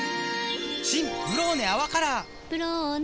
新「ブローネ泡カラー」「ブローネ」